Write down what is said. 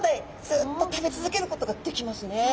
ずっと食べ続けることができますね。